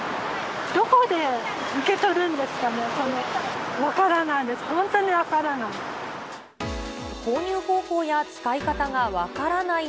どこで受け取るんですかね、分からないです、本当に分からない。